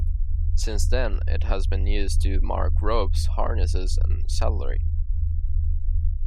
Since then, it has been used to make ropes, harnesses and saddlery.